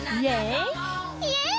「イエイ！」